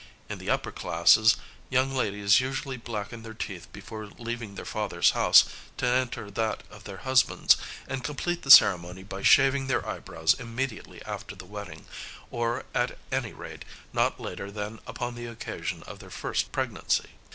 In the upper classes, young ladies usually blacken their teeth before leaving their father's house to enter that of their husbands, and complete the ceremony by shaving their eyebrows immediately after the wedding, or, at any rate, not later than upon the occasion of their first pregnancy.